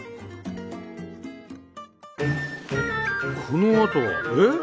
このあとはえっ？